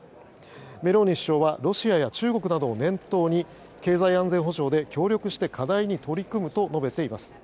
メローニ首相はロシアや中国などを念頭に経済安全保障で協力して課題に取り組むと述べています。